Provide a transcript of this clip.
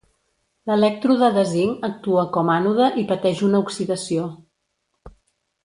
L'elèctrode de zinc actua com ànode i pateix una oxidació.